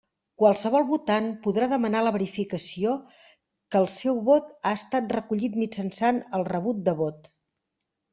Qualsevol votant podrà demanar la verificació que el seu vot ha estat recollit mitjançant el rebut de vot.